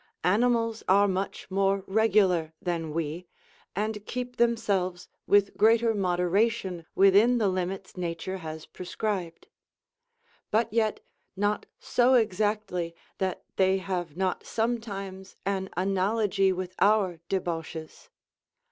Animals are much more regular than we, and keep themselves with greater moderation within the limits nature has prescribed; but yet not so exactly that they have not sometimes an analogy with our debauches.